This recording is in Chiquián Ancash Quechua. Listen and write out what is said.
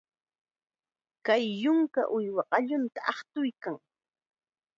Kay yunka uywa qallunta aqtuykan.